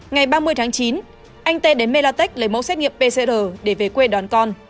ngày ba mươi tháng chín anh tê đến melatech lấy mẫu xét nghiệm pcr để về quê đón con